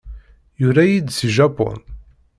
Yura-iyi-d seg Japun.